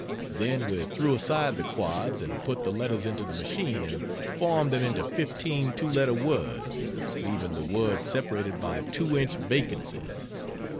Then we threw aside the quads and put the letters into the machine and formed them into 15 two letter words, leaving the words separated by two inch vacancies.